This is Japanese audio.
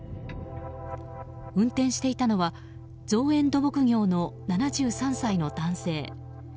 運転していたのは造園土木業の７３歳の男性。